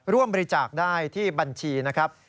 ร่วมบริจาคได้ที่บัญชีนะครับ